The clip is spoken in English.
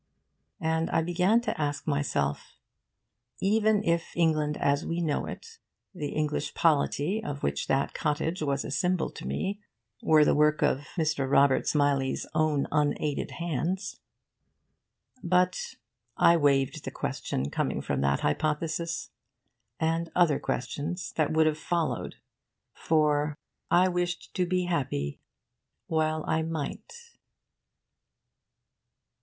And I began to ask myself: 'Even if England as we know it, the English polity of which that cottage was a symbol to me, were the work of (say) Mr. Robert Smillie's own unaided hands' but I waived the question coming from that hypothesis, and other questions that would have followed; for I wished to be happy while I might.